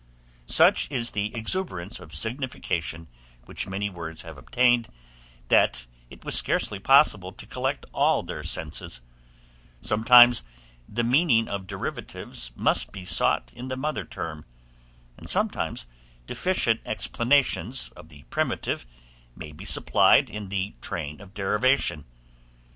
Such is the exuberance of signification which many words have obtained, that it was scarcely possible to collect all their senses; sometimes the meaning of derivatives must be sought in the mother term, and sometimes deficient explanations of the primitive may he supplied in the train of derivation.